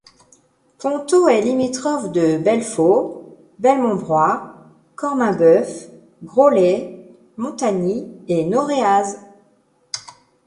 Ponthaux est limitrophe de Belfaux, Belmont-Broye, Corminboeuf, Grolley, Montagny et Noréaz.